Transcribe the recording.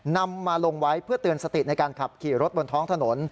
นำมาลงไว้เพื่อเตือนสติในการขับขี่รถบนท้องถนน